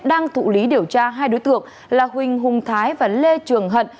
đang thụ lý điều tra hai đối tượng là huỳnh hùng thái và lê trường hận